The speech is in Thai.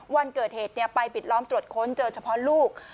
วันเกิดเหตุไปปิดล้อมตรวจค้นเจอเฉพาะลูก